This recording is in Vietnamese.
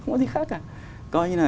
không có gì khác cả coi như là